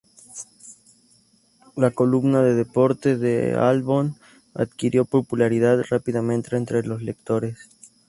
La columna de deportes de Albom adquirió popularidad rápidamente entre los lectores.